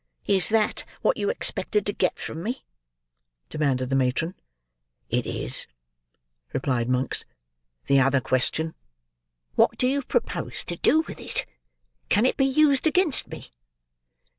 "Is that what you expected to get from me?" demanded the matron. "It is," replied Monks. "The other question?" "What do you propose to do with it? Can it be used against me?"